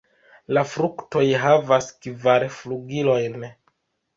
La fruktoj havas kvar flugilojn.